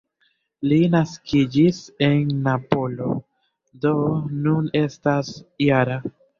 Li naskiĝis en Napolo, do nun estas -jara.